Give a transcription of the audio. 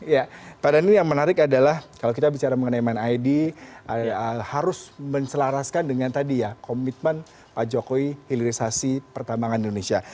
ya pak dhani yang menarik adalah kalau kita bicara mengenai mind id harus mencelaraskan dengan tadi ya komitmen pak jokowi hilirisasi pertambangan di indonesia